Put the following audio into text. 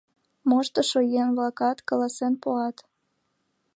Моштышо еҥ-влакат каласен пуат.